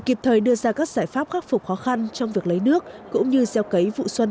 kịp thời đưa ra các giải pháp khắc phục khó khăn trong việc lấy nước cũng như gieo cấy vụ xuân hai nghìn một mươi tám